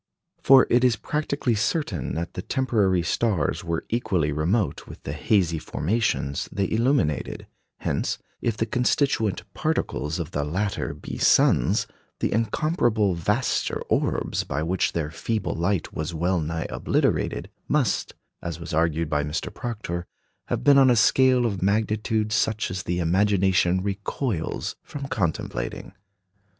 For it is practically certain that the temporary stars were equally remote with the hazy formations they illuminated; hence, if the constituent particles of the latter be suns, the incomparably vaster orbs by which their feeble light was well nigh obliterated must, as was argued by Mr. Proctor, have been on a scale of magnitude such as the imagination recoils from contemplating.